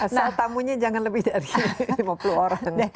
nah tamunya jangan lebih dari lima puluh orang